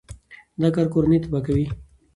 دا کار کورنۍ تباه کوي.